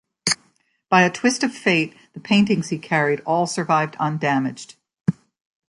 By a twist of fate, the paintings he carried all survived undamaged.